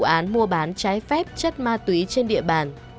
vụ án mua bán trái phép chất ma túy trên địa bàn